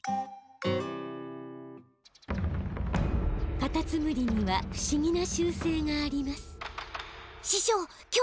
カタツムリには不思議な習性があります師しょう！